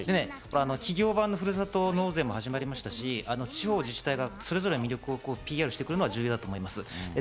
企業側のふるさと納税も始まりましたし、地方自治体がそれぞれの魅力をアピールするのが重要になってくると思います。